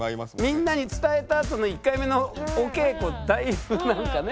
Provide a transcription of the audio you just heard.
みんなに伝えたあとの１回目のお稽古だいぶなんかね